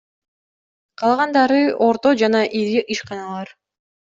Калгандары — орто жана ири ишканалар.